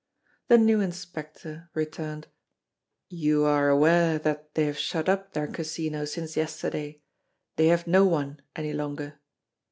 The new inspector returned: "You are aware that they have shut up their Casino since yesterday. They have no one any longer."